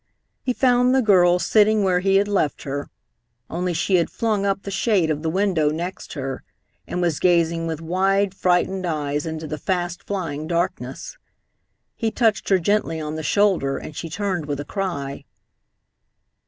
He found the girl sitting where he had left her, only she had flung up the shade of the window next her, and was gazing with wide, frightened eyes into the fast flying darkness. He touched her gently on the shoulder, and she turned with a cry.